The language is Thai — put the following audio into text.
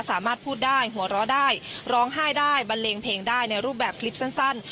สามารถพูดได้หัวเราะได้ร้องไห้ได้บันเลงเพลงได้ในรูปแบบคลิปสั้น